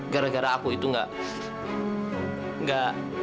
gara gara aku itu enggak